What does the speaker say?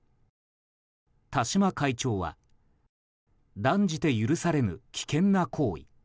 田嶋会長は断じて許されぬ危険な行為。